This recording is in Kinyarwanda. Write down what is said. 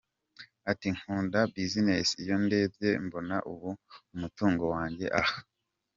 Ati :” Nkunda business, iyo ndebye mbona ubu umutungo wanjyeeeee, ahaaaa.